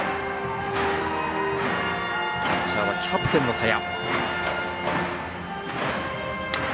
キャッチャーはキャプテンの田屋。